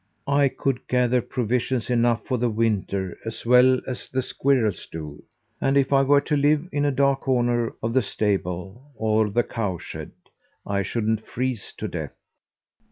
I could gather provisions enough for the winter, as well as the squirrels do, and if I were to live in a dark corner of the stable or the cow shed, I shouldn't freeze to death."